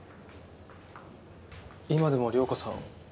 今でも遼子さん